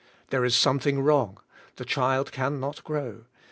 There is something wrong ; the child can not grow.